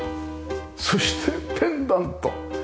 そしてペンダント！